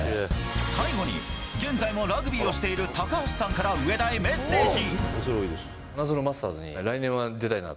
最後に、現在もラグビーをしている高橋さんから上田へメッセージ。